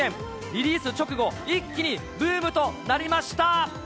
リリース直後、一気にブームとなりました。